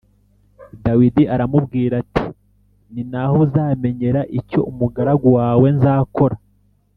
dawidi aramubwira ati “ni na ho uzamenyera icyo umugaragu wawe nzakora”